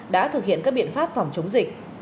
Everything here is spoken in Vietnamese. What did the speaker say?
đã thực hiện các biện pháp phòng chống dịch